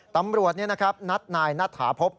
ตำรวจนี่นะครับนัดนายนัดถาพบ